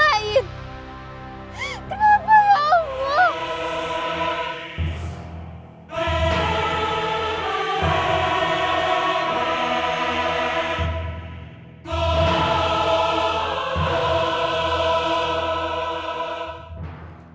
kenapa ya allah